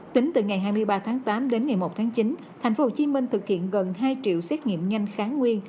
tính từ ngày hai mươi ba tháng tám đến ngày một tháng chín tp hcm thực hiện gần hai triệu xét nghiệm nhanh kháng nguyên